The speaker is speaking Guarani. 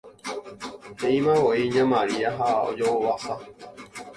he'imavoi ña Maria ha ojovasa